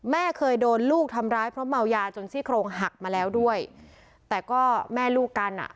แม่เคยโดนลูกทำร้ายเพราะเมายาจนซี่โครงหักมาแล้วด้วยแต่ก็แม่ลูกกันอ่ะ